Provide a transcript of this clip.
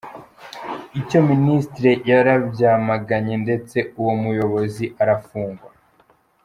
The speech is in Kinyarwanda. Icyo Minisiteri yarabyamaganye ndetse uwo muyobozi arafungwa.